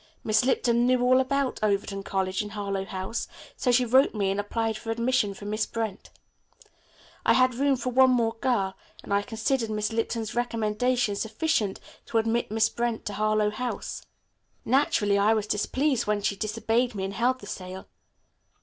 Miss Lipton knew all about Overton College and Harlowe House, so she wrote me and applied for admission for Miss Brent. I had room for one more girl, and I considered Miss Lipton's recommendation sufficient to admit Miss Brent to Harlowe House. Naturally I was displeased when she disobeyed me and held the sale.